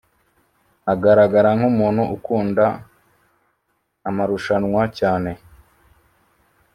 Agaragara nkumuntu ukunda amamrushanwa cyane